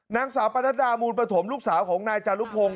นางสาวปนัดดามูลปฐมลูกสาวของนายจารุพงศ